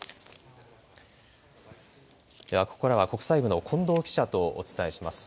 ではここからは国際部の近藤記者とお伝えします。